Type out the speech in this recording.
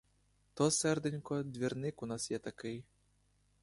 То, серденько, двірник у нас є такий.